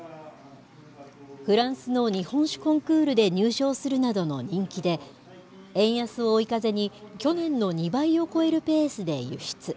フランスの日本酒コンクールで入賞するなどの人気で、円安を追い風に、去年の２倍を超えるペースで輸出。